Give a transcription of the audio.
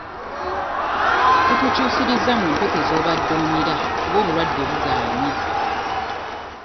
Tukukyusirizza mu mpeke z'obadde omira kuba obulwadde bugaanye.